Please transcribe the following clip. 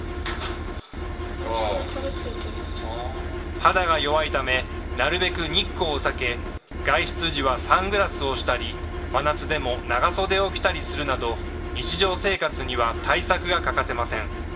肌が弱いため、なるべく日光を避け、外出時はサングラスをしたり、真夏でも長袖を着たりするなど、日常生活には対策が欠かせません。